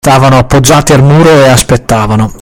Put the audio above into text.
Stavano appoggiati al muro e aspettavano.